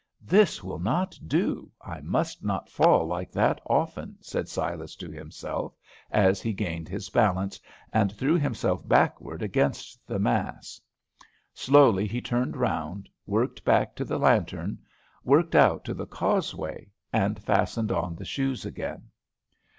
"This will not do, I must not fall like that often," said Silas to himself, as he gained his balance and threw himself backward against the mass. Slowly he turned round, worked back to the lantern, worked out to the causeway, and fastened on the shoes again.